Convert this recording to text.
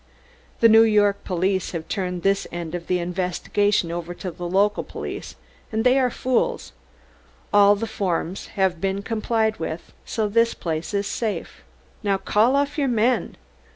_ The New York police have turned this end of the investigation over to the local police, and they are fools; all the forms have been complied with, so this place is safe. Now call off your men!